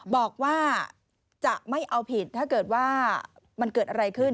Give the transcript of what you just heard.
บอกว่าจะไม่เอาผิดถ้าเกิดว่ามันเกิดอะไรขึ้น